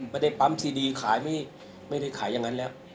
ไม่ได้ปั๊มซีดีขายไม่ได้ขายอย่างนั้นแล้ว